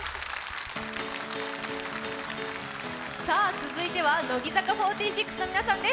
続いては乃木坂４６の皆さんです。